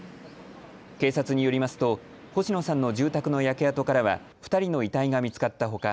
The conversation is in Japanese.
警察によりますと星野さんの住宅の焼け跡からは２人の遺体が見つかったほか